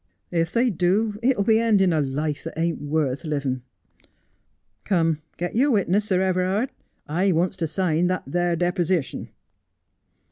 If they do it'll be ending a life that ain't worth living. Come, get your witness, Sir Everard, I wants to sign that there deppysition.'